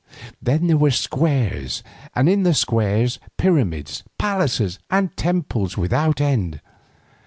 Then there were squares, and in the squares pyramids, palaces, and temples without end.